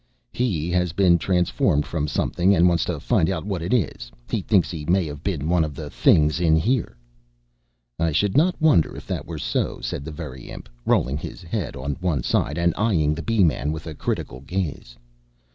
"He has been transformed from something, and wants to find out what it is. He thinks he may have been one of the things in here." "I should not wonder if that were so," said the Very Imp, rolling his head on one side, and eying the Bee man with a critical gaze.